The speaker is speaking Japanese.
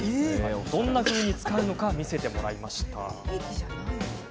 どんなふうに使うのか見せてもらいました。